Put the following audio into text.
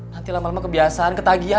nanti lama lama kebiasaan ketagihan